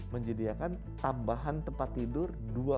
menjadikan tambahan tempat tidur dua puluh enam